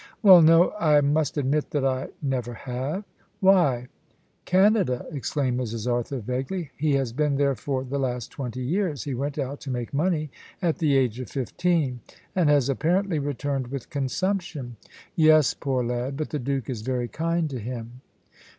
"Well, no; I must admit that I never have. Why?" "Canada," explained Mrs. Arthur, vaguely. "He has been there for the last twenty years. He went out to make money, at the age of fifteen." "And has apparently returned with consumption." "Yes, poor lad; but the Duke is very kind to him."